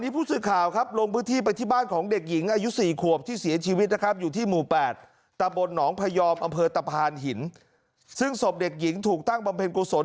ไปยอมอำเภอตะพานหินซึ่งสมเด็กหญิงถูกตั้งบำเพ็ญกุศล